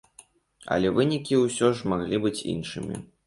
Але вынікі ўсё ж маглі быць іншымі.